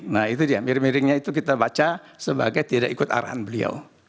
nah itu dia miring miringnya itu kita baca sebagai tidak ikut arahan beliau